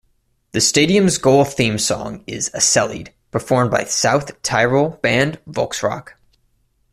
The stadium's goal theme song is "Esellied", performed by South Tyrol band Volxrock.